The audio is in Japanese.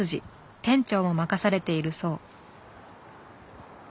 店長も任されているそう。